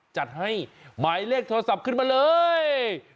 จัดให้หมายเลขโทรศัพท์ขึ้นมาเลย